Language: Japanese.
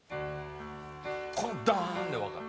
この「ダーン」でわかる。